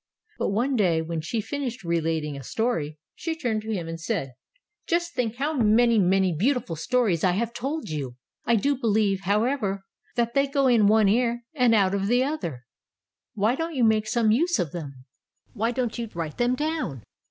But one day, when she finished relating a story, she turned to him and said: ''Just think how many, many beautiful stories I have told you. I do believe, how ever, that they go in one ear and out of the Tales of Modern Germany 165 other. Why don't you make some use of them ? Why don't you write them down